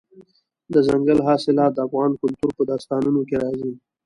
دځنګل حاصلات د افغان کلتور په داستانونو کې راځي.